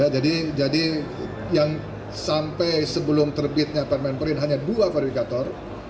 jadi yang sampai sebelum terbitnya permen perin hanya dua verifikator